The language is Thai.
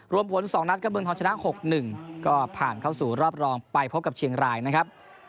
รวมผล๒นัดก็เมืองทองชนะ๖๑ก็ผ่านเข้าสู่รอบรองไปพบกับเชียงรายนะครับ